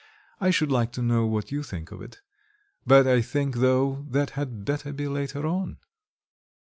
I should like to know what you think of it. But, I think, though, that had better be later on."